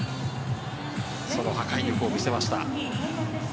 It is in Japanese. そして破壊力を見せました。